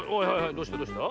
どうしたどうした？